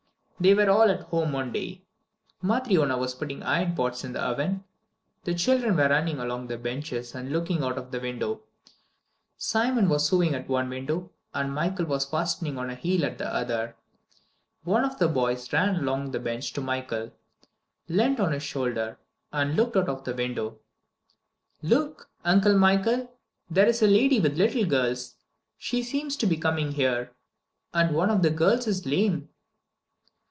They were all at home one day. Matryona was putting iron pots in the oven; the children were running along the benches and looking out of the window; Simon was sewing at one window, and Michael was fastening on a heel at the other. One of the boys ran along the bench to Michael, leant on his shoulder, and looked out of the window. "Look, Uncle Michael! There is a lady with little girls! She seems to be coming here. And one of the girls is lame."